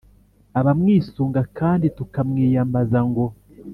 abamwisunga kandi tukamwiyambaza ngo